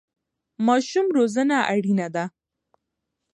ماشوم روزنه اړینه ده.